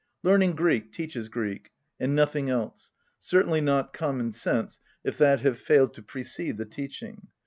Learning Greek teaches Greek, and nothing else : certainly not common sense, if that have failed to precede the teaching.